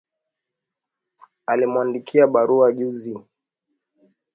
Alimwandikia barua juzi